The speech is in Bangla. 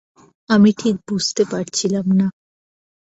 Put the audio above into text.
আমি ঠিক বুঝতে পারছিলাম না।